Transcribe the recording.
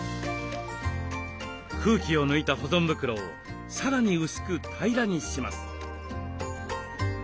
空気を抜いた保存袋をさらに薄く平らにします。